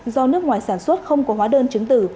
do nước ngoài sản xuất không có hóa đơn chứng tử